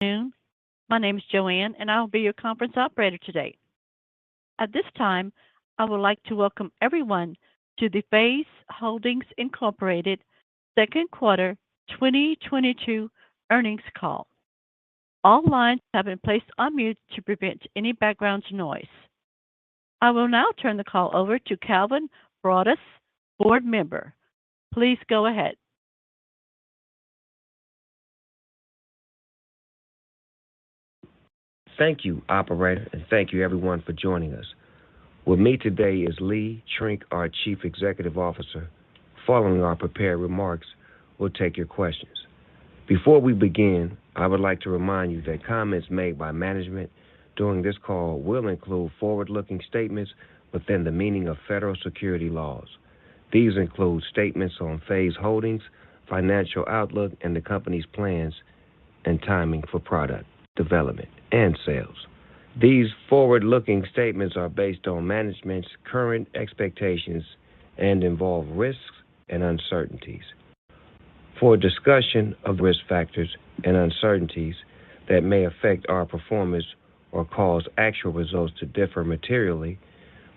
Good afternoon. My name is Joanne, and I'll be your conference operator today. At this time, I would like to welcome everyone to the FaZe Holdings Inc. Q2 2022 earnings call. All lines have been placed on mute to prevent any background noise. I will now turn the call over to Calvin Broadus, Board Member. Please go ahead. Thank you, operator, and thank you everyone for joining us. With me today is Lee Trink, our Chief Executive Officer. Following our prepared remarks, we'll take your questions. Before we begin, I would like to remind you that comments made by management during this call will include forward-looking statements within the meaning of federal securities laws. These include statements on FaZe Holdings, financial outlook, and the company's plans and timing for product development and sales. These forward-looking statements are based on management's current expectations and involve risks and uncertainties. For a discussion of risk factors and uncertainties that may affect our performance or cause actual results to differ materially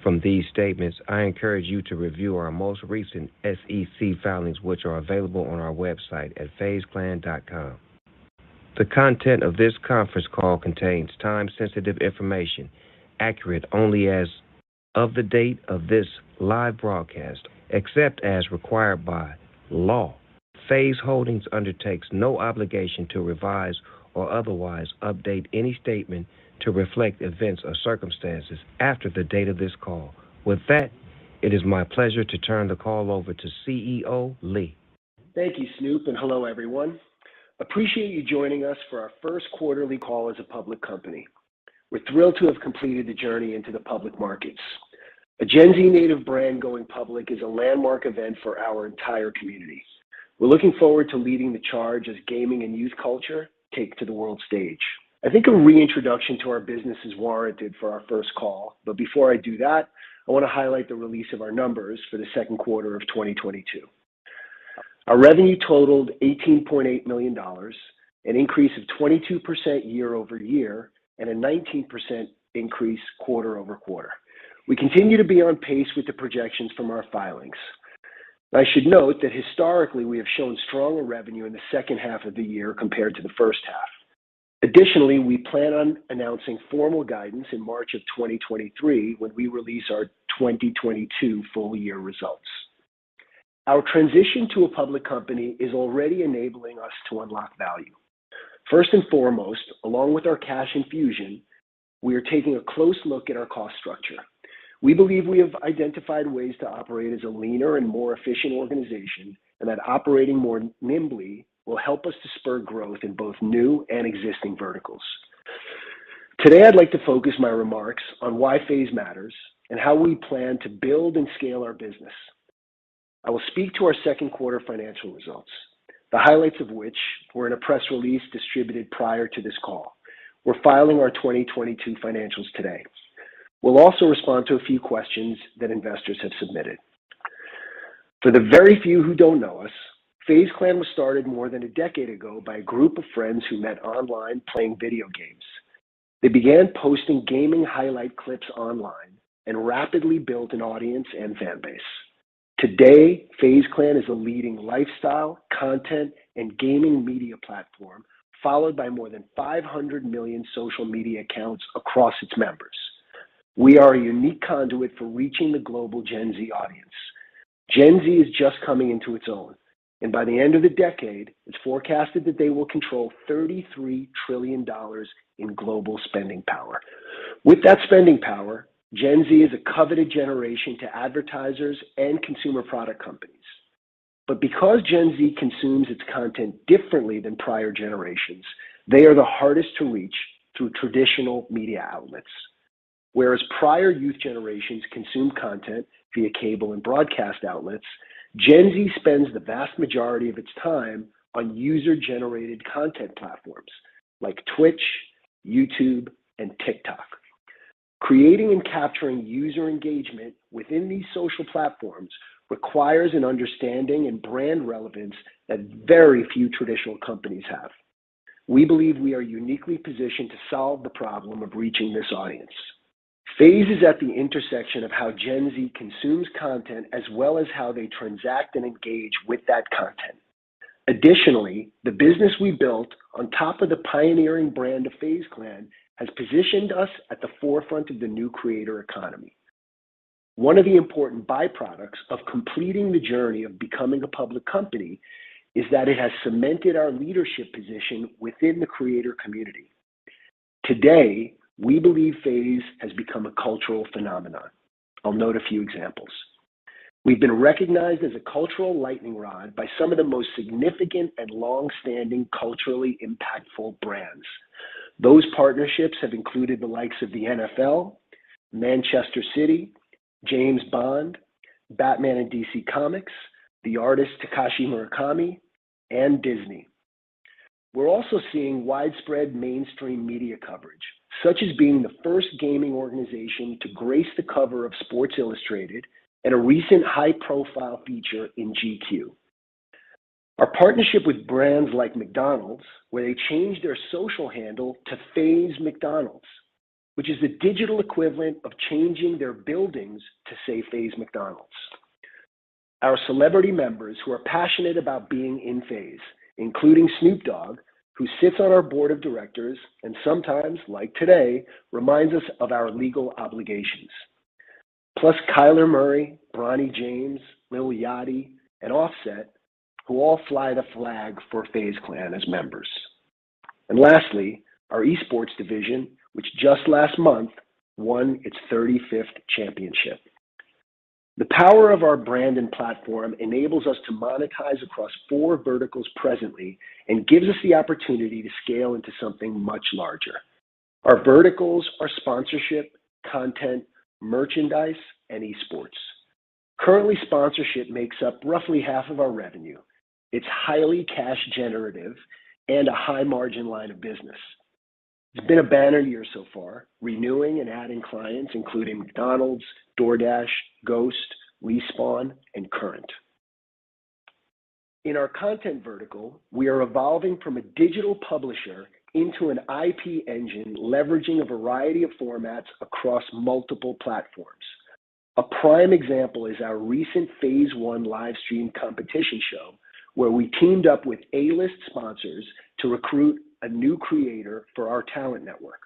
from these statements, I encourage you to review our most recent SEC filings, which are available on our website at fazeclan.com. The content of this conference call contains time-sensitive information, accurate only as of the date of this live broadcast. Except as required by law, FaZe Holdings Inc. undertakes no obligation to revise or otherwise update any statement to reflect events or circumstances after the date of this call. With that, it is my pleasure to turn the call over to CEO Lee. Thank you, Snoop, and hello everyone. Appreciate you joining us for our first quarterly call as a public company. We're thrilled to have completed the journey into the public markets. A Gen Z native brand going public is a landmark event for our entire community. We're looking forward to leading the charge as gaming and youth culture take to the world stage. I think a reintroduction to our business is warranted for our first call, but before I do that, I want to highlight the release of our numbers for the Q2 of 2022. Our revenue totaled $18.8 million, an increase of 22% year-over-year, and a 19% increase quarter-over-quarter. We continue to be on pace with the projections from our filings. I should note that historically, we have shown stronger revenue in the second half of the year compared to the first half. Additionally, we plan on announcing formal guidance in March of 2023 when we release our 2022 full year results. Our transition to a public company is already enabling us to unlock value. First and foremost, along with our cash infusion, we are taking a close look at our cost structure. We believe we have identified ways to operate as a leaner and more efficient organization, and that operating more nimbly will help us to spur growth in both new and existing verticals. Today, I'd like to focus my remarks on why FaZe matters and how we plan to build and scale our business. I will speak to our Q2 financial results, the highlights of which were in a press release distributed prior to this call. We're filing our 2022 financials today. We'll also respond to a few questions that investors have submitted. For the very few who don't know us, FaZe Clan was started more than a decade ago by a group of friends who met online playing video games. They began posting gaming highlight clips online and rapidly built an audience and fan base. Today, FaZe Clan is a leading lifestyle, content, and gaming media platform, followed by more than 500 million social media accounts across its members. We are a unique conduit for reaching the global Gen Z audience. Gen Z is just coming into its own, and by the end of the decade, it's forecasted that they will control $33 trillion in global spending power. With that spending power, Gen Z is a coveted generation to advertisers and consumer product companies. Because Gen Z consumes its content differently than prior generations, they are the hardest to reach through traditional media outlets. Whereas prior youth generations consumed content via cable and broadcast outlets, Gen Z spends the vast majority of its time on user-generated content platforms like Twitch, YouTube, and TikTok. Creating and capturing user engagement within these social platforms requires an understanding and brand relevance that very few traditional companies have. We believe we are uniquely positioned to solve the problem of reaching this audience. FaZe is at the intersection of how Gen Z consumes content, as well as how they transact and engage with that content. Additionally, the business we built on top of the pioneering brand of FaZe Clan has positioned us at the forefront of the new creator economy. One of the important byproducts of completing the journey of becoming a public company is that it has cemented our leadership position within the creator community. Today, we believe FaZe has become a cultural phenomenon. I'll note a few examples. We've been recognized as a cultural lightning rod by some of the most significant and long-standing culturally impactful brands. Those partnerships have included the likes of the NFL, Manchester City, James Bond, Batman and DC Comics, the artist Takashi Murakami, and Disney. We are also seeing widespread mainstream media coverage such as being the first gaming organization to grace the cover of Sports Illustrated and a recent high-profile feature in GQ. Our partnership with brands like McDonald's, where they changed their social handle to FaZe McDonald's, which is the digital equivalent of changing their buildings to say FaZe McDonald's. Our celebrity members who are passionate about being in FaZe, including Snoop Dogg, who sits on our board of directors, and sometimes, like today, reminds us of our legal obligations. Plus Kyler Murray, Bronny James, Lil Yachty, and Offset, who all fly the flag for FaZe Clan as members. Lastly, our esports division, which just last month won its 35th championship. The power of our brand and platform enables us to monetize across four verticals presently and gives us the opportunity to scale into something much larger. Our verticals are sponsorship, content, merchandise, and esports. Currently, sponsorship makes up roughly half of our revenue. It's highly cash generative and a high-margin line of business. It's been a banner year so far, renewing and adding clients including McDonald's, DoorDash, GHOST, Respawn, and Current. In our content vertical, we are evolving from a digital publisher into an IP engine leveraging a variety of formats across multiple platforms. A prime example is our recent FaZe1 live stream competition show, where we teamed up with A-list sponsors to recruit a new creator for our talent network.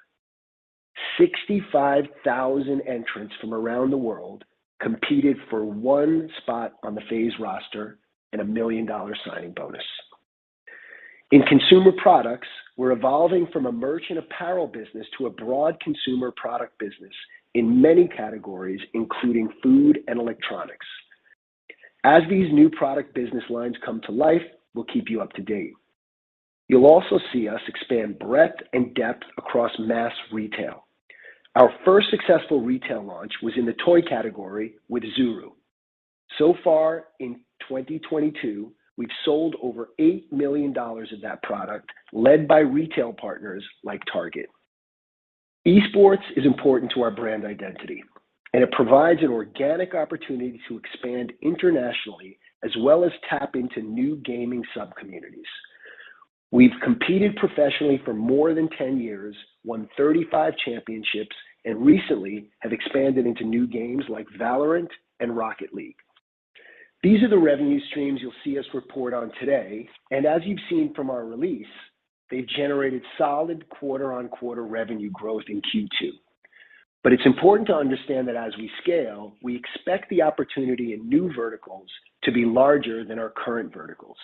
65,000 entrants from around the world competed for one spot on the FaZe roster and a $1 million signing bonus. In consumer products, we are evolving from a merch and apparel business to a broad consumer product business in many categories, including food and electronics. As these new product business lines come to life, we'll keep you up to date. You will also see us expand breadth and depth across mass retail. Our first successful retail launch was in the toy category with Zuru. So far in 2022, we've sold over $8 million of that product, led by retail partners like Target. Esports is important to our brand identity, and it provides an organic opportunity to expand internationally as well as tap into new gaming subcommunities. We've competed professionally for more than 10 years, won 35 championships, and recently have expanded into new games like Valorant and Rocket League. These are the revenue streams you'll see us report on today, and as you've seen from our release, they generated solid quarter-on-quarter revenue growth in Q2. It's important to understand that as we scale, we expect the opportunity in new verticals to be larger than our current verticals.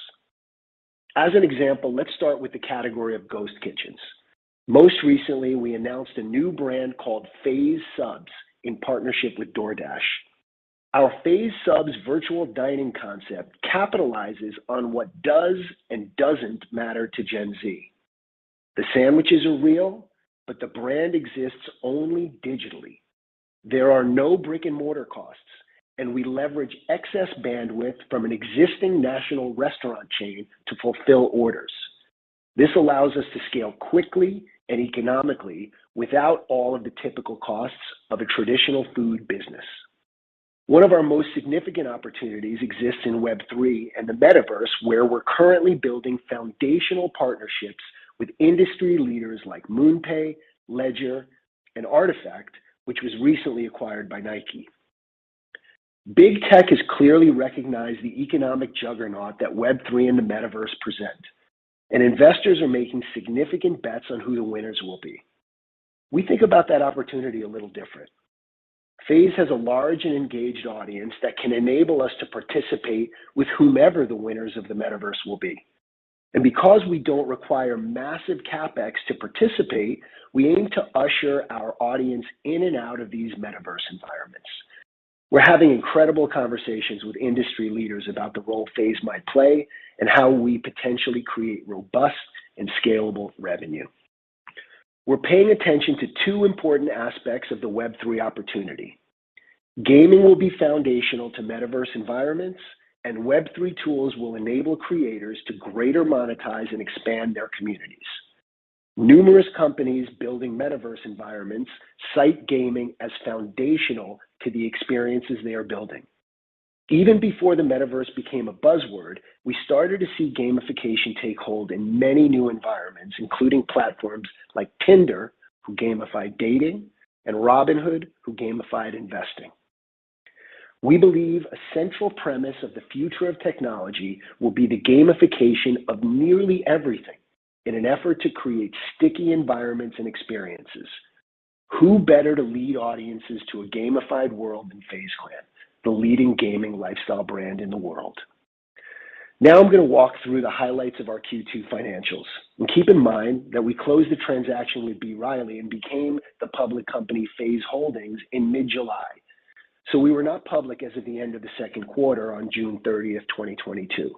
As an example, let's start with the category of ghost kitchens. Most recently, we announced a new brand called FaZe Subs in partnership with DoorDash. Our FaZe Subs virtual dining concept capitalizes on what does and doesn't matter to Gen Z. The sandwiches are real, but the brand exists only digitally. There are no brick-and-mortar costs, and we leverage excess bandwidth from an existing national restaurant chain to fulfill orders. This allows us to scale quickly and economically without all of the typical costs of a traditional food business. One of our most significant opportunities exists in Web3 and the Metaverse, where we're currently building foundational partnerships with industry leaders like MoonPay, Ledger, and RTFKT, which was recently acquired by Nike. Big tech has clearly recognized the economic juggernaut that Web3 and the Metaverse present, and investors are making significant bets on who the winners will be. We think about that opportunity a little different. FaZe has a large and engaged audience that can enable us to participate with whomever the winners of the Metaverse will be. Because we don't require massive CapEx to participate, we aim to usher our audience in and out of these Metaverse environments. We're having incredible conversations with industry leaders about the role FaZe might play and how we potentially create robust and scalable revenue. We're paying attention to two important aspects of the Web3 opportunity. Gaming will be foundational to Metaverse environments, and Web3 tools will enable creators to greater monetize and expand their communities. Numerous companies building Metaverse environments cite gaming as foundational to the experiences they are building. Even before the Metaverse became a buzzword, we started to see gamification take hold in many new environments, including platforms like Tinder, who gamified dating, and Robinhood, who gamified investing. We believe a central premise of the future of technology will be the gamification of nearly everything in an effort to create sticky environments and experiences. Who better to lead audiences to a gamified world than FaZe Clan, the leading gaming lifestyle brand in the world? Now I'm going to walk through the highlights of our Q2 financials, and keep in mind that we closed the transaction with B. Riley and became the public company FaZe Holdings in mid-July. So we were not public as of the end of the Q2 on June 30, 2022.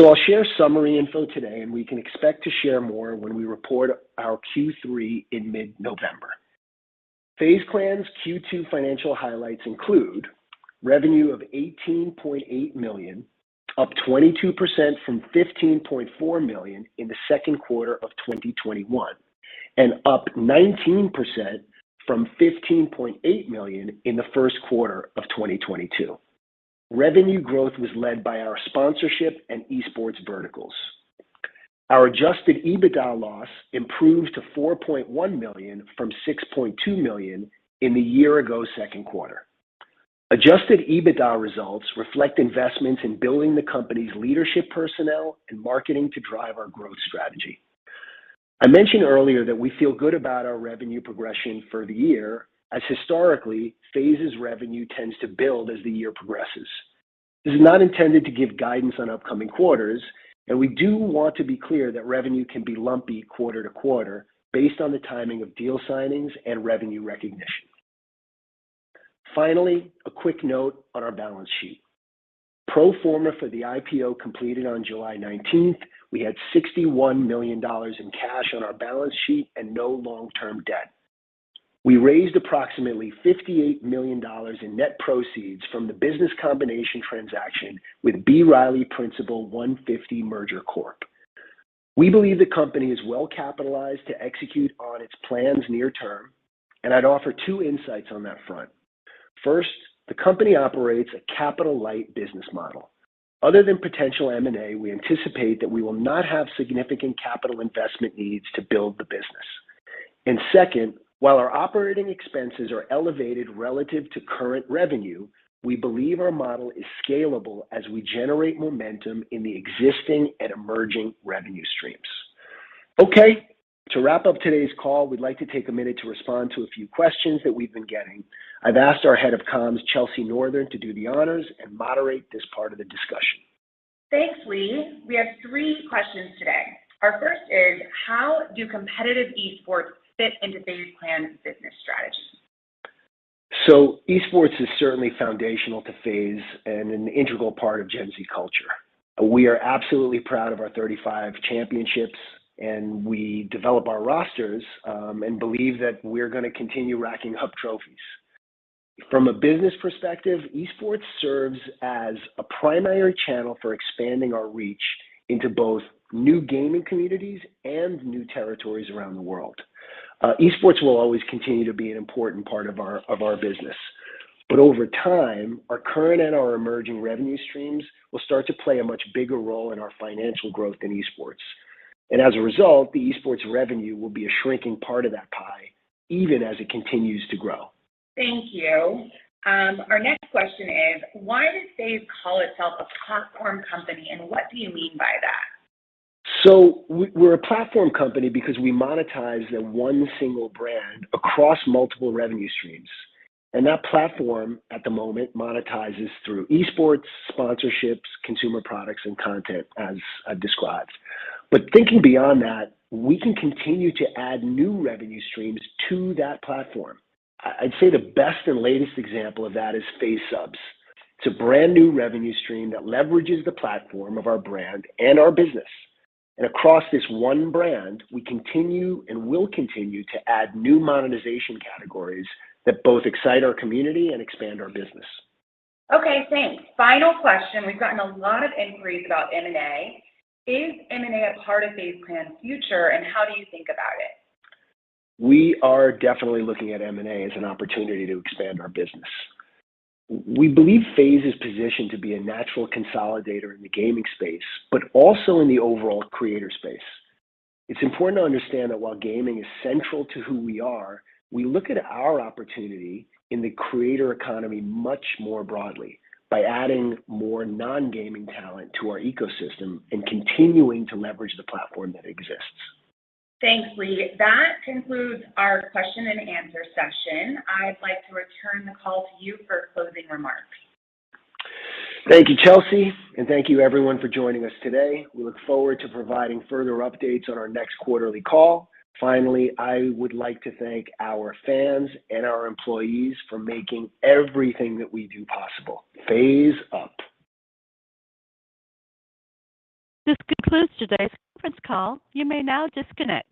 I'll share summary info today, and we can expect to share more when we report our Q3 in mid-November. FaZe Clan's Q2 financial highlights include revenue of $18.8 million, up 22% from $15.4 million in the Q2 of 2021, and up 19% from $15.8 million in the Q1 of 2022. Revenue growth was led by our sponsorship and esports verticals. Our adjusted EBITDA loss improved to $4.1 million from $6.2 million in the year-ago Q2. Adjusted EBITDA results reflect investments in building the company's leadership personnel and marketing to drive our growth strategy. I mentioned earlier that we feel good about our revenue progression for the year as historically, FaZe's revenue tends to build as the year progresses. This is not intended to give guidance on upcoming quarters, and we do want to be clear that revenue can be lumpy quarter to quarter based on the timing of deal signings and revenue recognition. Finally, a quick note on our balance sheet. Pro forma for the IPO completed on July nineteenth, we had $61 million in cash on our balance sheet and no long-term debt. We raised approximately $58 million in net proceeds from the business combination transaction with B. Riley Principal 150 Merger Corp. We believe the company is well capitalized to execute on its plans near term, and I'd offer two insights on that front. First, the company operates a capital-light business model. Other than potential M&A, we anticipate that we will not have significant capital investment needs to build the business. Second, while our operating expenses are elevated relative to current revenue, we believe our model is scalable as we generate momentum in the existing and emerging revenue streams. Okay. To wrap up today's call, we'd like to take a minute to respond to a few questions that we've been getting. I've asked our head of comms, Chelsey Northern, to do the honors and moderate this part of the discussion. Thanks, Lee. We have three questions today. Our first is: How do competitive esports fit into FaZe Clan's business strategy? Esports is certainly foundational to FaZe and an integral part of Gen Z culture. We are absolutely proud of our 35 championships, and we develop our rosters, and believe that we're gonna continue racking up trophies. From a business perspective, esports serves as a primary channel for expanding our reach into both new gaming communities and new territories around the world. Esports will always continue to be an important part of our business. Over time, our current and our emerging revenue streams will start to play a much bigger role in our financial growth than esports. As a result, the esports revenue will be a shrinking part of that pie, even as it continues to grow. Thank you. Our next question is: Why does FaZe call itself a platform company, and what do you mean by that? We're a platform company because we monetize that one single brand across multiple revenue streams. That platform at the moment monetizes through esports, sponsorships, consumer products, and content as I described. Thinking beyond that, we can continue to add new revenue streams to that platform. I'd say the best and latest example of that is FaZe Subs. It's a brand-new revenue stream that leverages the platform of our brand and our business. Across this one brand, we continue and will continue to add new monetization categories that both excite our community and expand our business. Okay, thanks. Final question. We've gotten a lot of inquiries about M&A. Is M&A a part of FaZe Clan's future, and how do you think about it? We are definitely looking at M&A as an opportunity to expand our business. We believe FaZe is positioned to be a natural consolidator in the gaming space, but also in the overall creator space. It's important to understand that while gaming is central to who we are, we look at our opportunity in the creator economy much more broadly by adding more non-gaming talent to our ecosystem and continuing to leverage the platform that exists. Thanks, Lee. That concludes our question and answer session. I'd like to return the call to you for closing remarks. Thank you, Chelsey, and thank you everyone for joining us today. We look forward to providing further updates on our next quarterly call. Finally, I would like to thank our fans and our employees for making everything that we do possible. FaZe up. This concludes today's conference call. You may now disconnect.